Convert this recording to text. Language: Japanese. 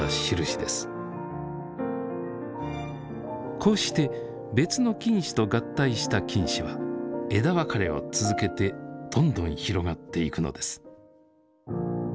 こうして別の菌糸と合体した菌糸は枝分かれを続けてどんどん広がっていくのです。